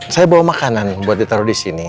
saya bawa makanan buat ditaruh di sini